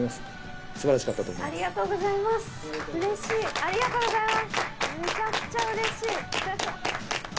ありがとうございます！